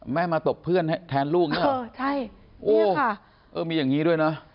แม่มาตบเพื่อนแทนลูกนี่โอ้มีอย่างนี้ด้วยนะ